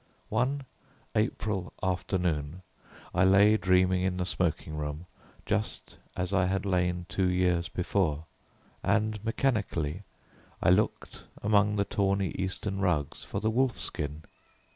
One April afternoon, I lay dreaming in the smoking room, just as I had lain two years before, and mechanically I looked among the tawny Eastern rugs for the wolf skin.